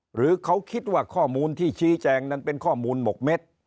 หรือเขาคิดว่าข้อมูลที่ชี้แจงนั้นเป็นข้อมูลหมกเม็ด